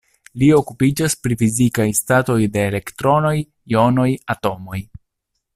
Li okupiĝas pri fizikaj statoj de elektronoj, jonoj, atomoj.